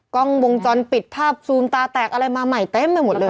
กล้องวงจรปิดภาพซูมตาแตกอะไรมาใหม่เต็มไปหมดเลย